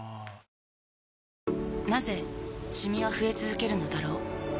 なぜシミは増え続けるのだろう